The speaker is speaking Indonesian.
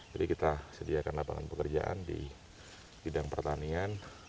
jadi kita sediakan lapangan pekerjaan di bidang pertanian